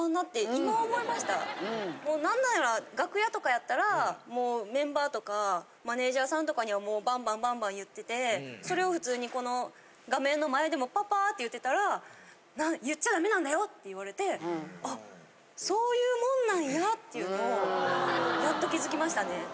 もうなんなら楽屋とかやったらメンバーとかマネージャーさんとかにはもうバンバンバンバン言っててそれを普通にこの画面の前でもパッパーって言ってたら「言っちゃダメなんだよ」って言われてあそういうもんなんやっていうのをやっと気づきましたね。